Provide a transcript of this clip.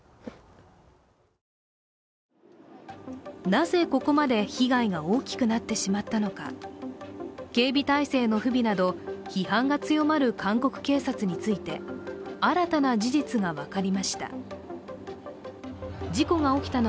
なぜここまで被害が大きくなってしまったのか警備体制の不備など批判が強まる韓国警察について新たな事実が分かりました。